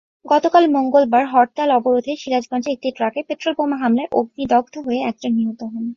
গতকাল মঙ্গলবার হরতাল-অবরোধে সিরাজগঞ্জে একটি ট্রাকে পেট্রলবোমা হামলায় অগ্নিদগ্ধ হয়ে একজন নিহত হন।